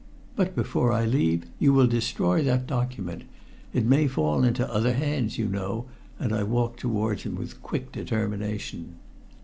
"But before I leave you will destroy that document. It may fall into other hands, you know," and I walked towards him with quick determination.